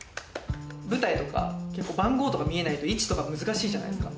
舞台とか番号とか見えないと位置とか難しいじゃないですか。